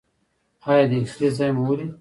ایا د اکسرې ځای مو ولید؟